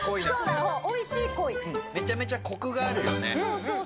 めちゃめちゃコクがあるよね。